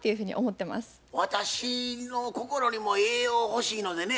私の心にも栄養欲しいのでね